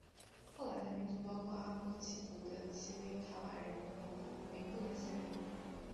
后来的民族包括属于阿帕契族的奇里卡瓦人和明布雷斯人。